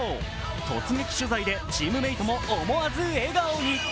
突撃取材でチームメートも思わず笑顔に。